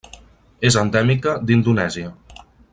És endèmica d'Indonèsia.